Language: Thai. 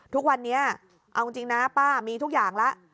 ทุกวันนี้เอาจริงนะป้ามีทุกอย่างแล้ว